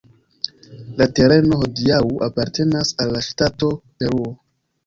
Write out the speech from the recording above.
La tereno hodiaŭ apartenas al la ŝtato Peruo.